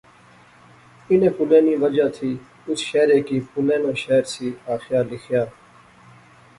انیں پلیں نیاں وجہ تھی اس شہرے کی پلیں ناں شہر سی آخیا لخیا